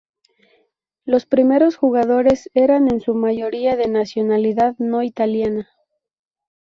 Los primeros jugadores eran, en su mayoría, de nacionalidad no italiana.